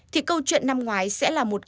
thì câu chuyện năm ngoái sẽ là một cơ hội